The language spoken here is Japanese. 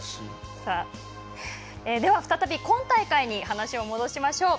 では、再び今大会に話を戻しましょう。